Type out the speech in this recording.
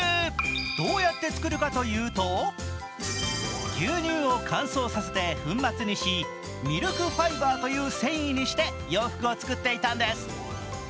どうやって作るかというと、牛乳を乾燥させて粉末にしミルクファイバーという繊維にして洋服を作っていたんです。